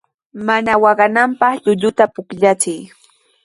Mana waqananpaq llulluta pukllachiy.